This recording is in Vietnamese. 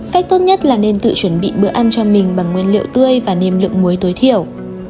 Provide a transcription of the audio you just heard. cách tốt nhất là nên tự chuẩn bị bữa ăn cho mình bằng nguyên liệu tươi và niềm lượng muối tối thiểu